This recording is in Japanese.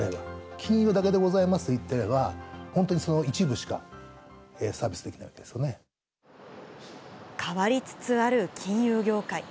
金融だけでございますと言っては、本当にその一部しかサービスでき変わりつつある金融業界。